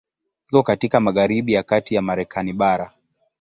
Iko katika magharibi ya kati ya Marekani bara.